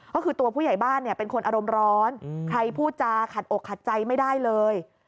ก็คือตัวผู้ใหญ่บ้านเนี่ยเป็นคนอารมณ์ร้อนใครพูดจาขัดอกขัดใจไม่ได้เลย